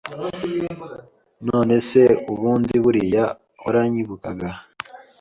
None se ubundi buriya waranyibukaga?”